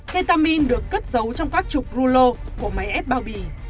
ketamine được cất dấu trong các trục rulo của máy ép bao bì